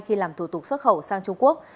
khi làm thủ tục xuất khẩu sang trung quốc